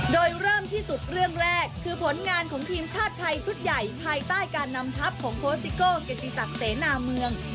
โดยเริ่มที่สุดเรื่องแรกคือผลงานของทีมชาติไทยชุดใหญ่ภายใต้การนำทัพของโค้ชซิโก้เกียรติศักดิ์เสนาเมือง